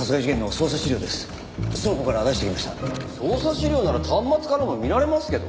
捜査資料なら端末からも見られますけど。